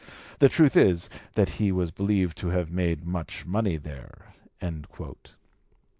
"The truth is, that he was believed to have made much money there."